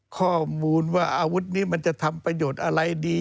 ข้อมูลว่าอาวุธนี้มันจะทำประโยชน์อะไรดี